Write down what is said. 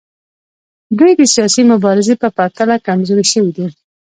دوی د سیاسي مبارزې په پرتله کمزورې شوي دي